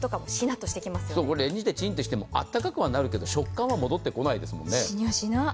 チンしても温かくはなるけど、食感は戻ってこないですよね。